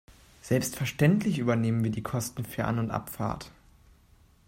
Selbstverständlich übernehmen wir die Kosten für An- und Abfahrt.